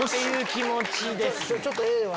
ちょっとＡは。